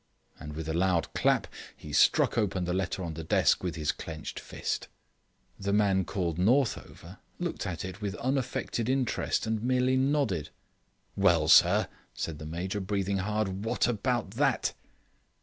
And with a loud clap he struck open the letter on the desk with his clenched fist. The man called Northover looked at it with unaffected interest and merely nodded. "Well, sir," said the Major, breathing hard, "what about that?"